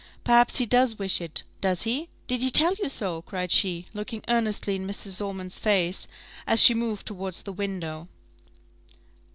Perhaps he does wish it? Does he? Did he tell you so?" cried she, looking earnestly in Mrs. Ormond's face, as she moved towards the window.